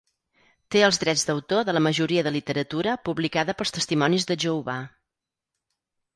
Té els drets d'autor de la majoria de literatura publicada pels Testimonis de Jehovà.